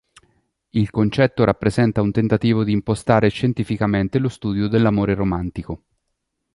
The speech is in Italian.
Il concetto rappresenta un tentativo di impostare scientificamente lo studio dell'amore romantico.